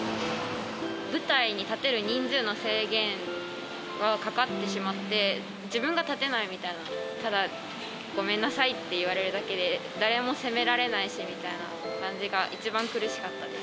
舞台に立てる人数の制限がかかってしまって、自分が立てないみたいなのが、ただごめんなさいって言われるだけで、誰も責められないしみたいな感じが、一番苦しかったです。